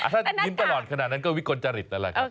ถ้ายิ้มตลอดขนาดนั้นก็วิกลจริตนั่นแหละครับ